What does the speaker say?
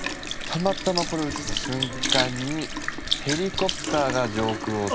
たまたまこれを写した瞬間にヘリコプターが上空を通ってて。